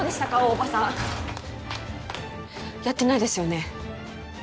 大庭さんやってないですよね？